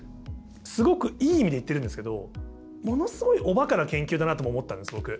すごくいい意味で言ってるんですけどものすごいおバカな研究だなとも思ったんです僕。